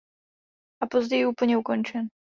A později úplně ukončen.